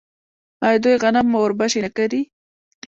آیا دوی غنم او وربشې نه کري؟